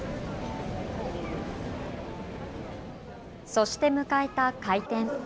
そして迎えた開店。